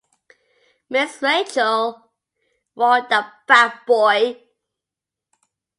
‘Miss Rachael,’ roared the fat boy.